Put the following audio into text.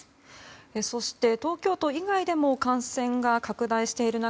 そして東京都以外でも感染が拡大している中